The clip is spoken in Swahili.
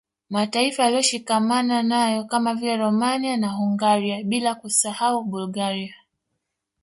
Mataifa yaliyoshikamana nayo kama vile Romania na Hungaria bila kusahau Bulgaria